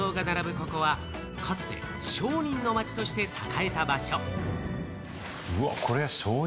ここは、かつて商人の町として栄えた場所。